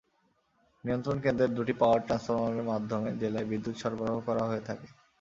নিয়ন্ত্রণ কেন্দ্রের দুটি পাওয়ার ট্রান্সফরমারের মাধ্যমে জেলায় বিদ্যুৎ সরবরাহ করা হয়ে থাকে।